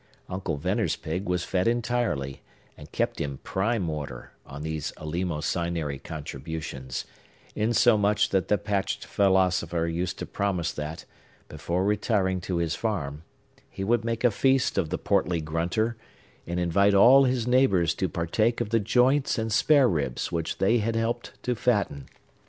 Uncle Venner's pig was fed entirely, and kept in prime order, on these eleemosynary contributions; insomuch that the patched philosopher used to promise that, before retiring to his farm, he would make a feast of the portly grunter, and invite all his neighbors to partake of the joints and spare ribs which they had helped to fatten.